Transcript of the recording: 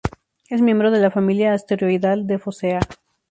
Es miembro de la familia asteroidal de Focea.